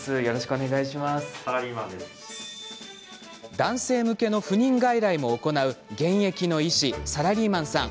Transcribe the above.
男性向けの不妊外来も行う現役の医師、サラリ医マンさん。